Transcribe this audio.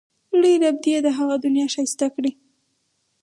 لوی رب دې یې هغه دنیا ښایسته کړي.